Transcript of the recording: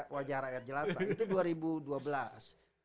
wajah rakyat jelata itu dua ribu dua belas